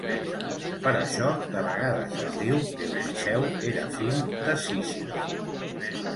Per això de vegades es diu que Odisseu era fill de Sísif.